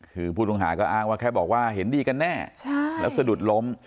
คือผู้ต้องหาก็อ้างว่าแค่บอกว่าเห็นดีกันแน่แล้วสะดุดล้ม